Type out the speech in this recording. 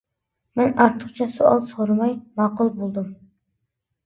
مەن ئارتۇقچە سوئال سورىماي ماقۇل بولدۇم.